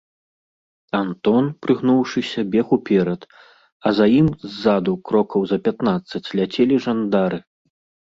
Антон, прыгнуўшыся, бег уперад, а за ім ззаду крокаў за пятнаццаць ляцелі жандары.